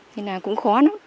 nên là cũng khó lắm